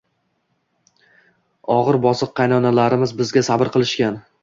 Og`ir-bosiq qaynonalarimiz bizga sabr qilishgan